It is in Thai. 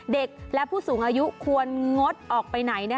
เด็กและผู้สูงอายุควรงดออกไปไหน